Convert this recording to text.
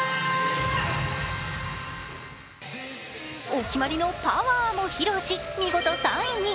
お決まりの「パワー！」も披露し、見事３位に！